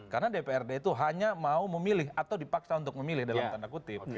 karena dprd itu hanya mau memilih atau dipaksa untuk memilih dalam tanda kutip